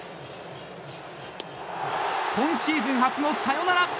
今シーズン初のサヨナラ！